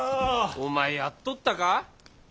お前やっとったか？